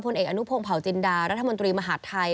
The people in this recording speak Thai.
เอกอนุพงศ์เผาจินดารัฐมนตรีมหาดไทย